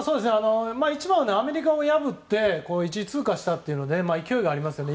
一番はアメリカを破って１位通過したというので勢いがありますよね。